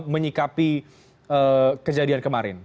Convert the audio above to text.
menyikapi kejadian kemarin